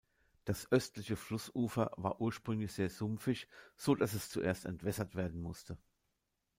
Das östliche Flussufer war ursprünglich sehr sumpfig, so dass es zuerst entwässert werden musste.